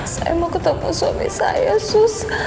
saya mau ketemu suami saya sus